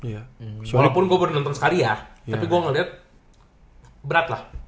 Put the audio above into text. walaupun gue baru nonton sekali ya tapi gue ngeliat berat lah